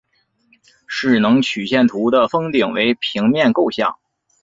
势能曲线图的峰顶为平面构象。